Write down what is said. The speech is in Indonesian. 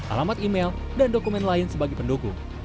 alamat email dan dokumen lain sebagai pendukung